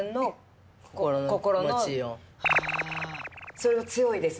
それは強いですね。